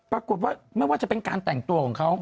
ปรากฏว่าไม่ว่าจะเป็นการแต่งตัวของเขา